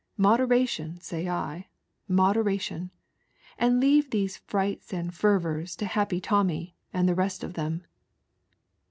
Moderation say I, modera tion, and leave these frights and fervours to Happy Tommy and the rest of them."